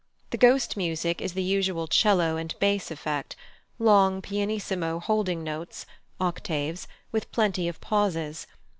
The Ghost music is the usual 'cello and bass effect, long pianissimo holding notes (octaves), with plenty of pauses.